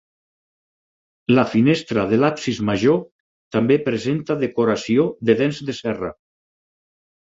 La finestra de l'absis major també presenta decoració de dents de serra.